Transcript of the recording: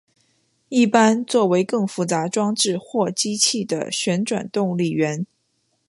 一般作为更复杂装置或机器的旋转动力源。